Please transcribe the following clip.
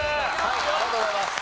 ありがとうございます。